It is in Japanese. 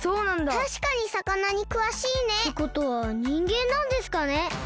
たしかにさかなにくわしいね。ってことはにんげんなんですかね。